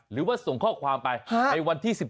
หรือว่าส่งข้อความไปในวันที่๑๗